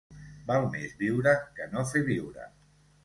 Val més viure que no fer viure.